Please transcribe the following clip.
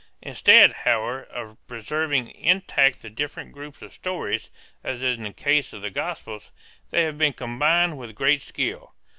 Instead, however, of preserving intact the different groups of stories, as in the case of the Gospels, they have been combined with great skill.